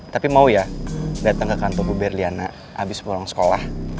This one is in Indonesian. tapi mau ya datang ke kantor bu berliana abis pulang sekolah